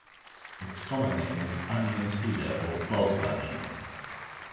Its common name is onion cedar or bog onion.